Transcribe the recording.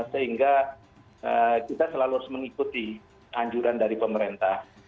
sehingga kita selalu harus mengikuti anjuran dari pemerintah